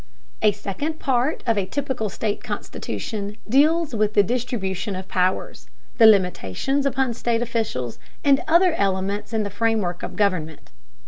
A second part of a typical state constitution deals with the distribution of powers, the limitations upon state officials and other elements in the framework of government.